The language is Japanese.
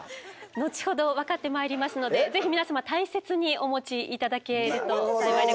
後ほど分かってまいりますので是非皆様大切にお持ち頂けると幸いでございます。